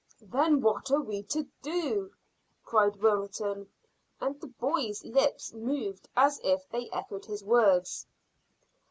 "Then what are we to do?" cried Wilton, and the boys' lips moved as if they echoed his words.